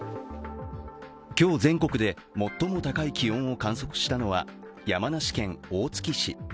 今日、全国で最も高い気温を観測したのは山梨県大月市。